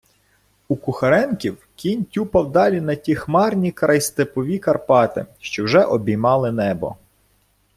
А Кухаренків кінь тюпав далі на ті хмарні крайстепові Карпати, що вже обіймали небо.